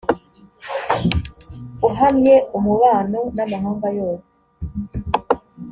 uhamye umubano n amahanga yose